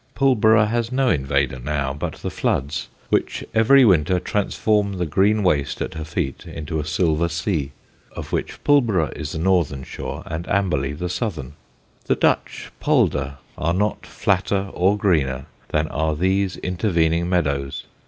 Pulborough has no invader now but the floods, which every winter transform the green waste at her feet into a silver sea, of which Pulborough is the northern shore and Amberley the southern. The Dutch polder are not flatter or greener than are these intervening meadows.